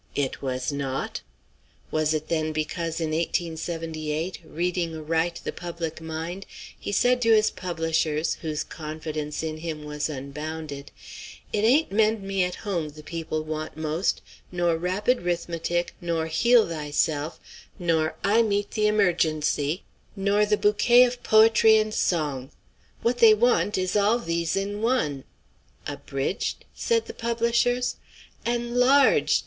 It was not. Was it, then, because in 1878, reading aright the public mind, he said to his publishers, whose confidence in him was unbounded, 'It ain't "Mend me at Home" the people want most, nor "Rapid 'Rithmetic," nor "Heal Thyself," nor "I meet the Emergency," nor the "Bouquet of Poetry and Song." What they want is all these in one.' 'Abridged?' said the publishers. 'Enlarged!'